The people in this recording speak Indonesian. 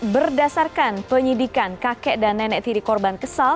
berdasarkan penyidikan kakek dan nenek tiri korban kesal